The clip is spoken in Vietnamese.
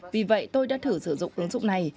vì vậy tôi đã thử sử dụng ứng dụng này